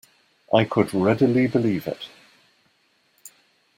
I could readily believe it.